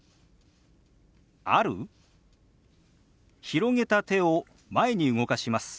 広げた手を前に動かします。